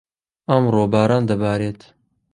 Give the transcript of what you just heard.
ئەمڕۆ، باران دەبارێت.